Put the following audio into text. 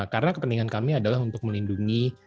karena kepentingan kami adalah untuk melindungi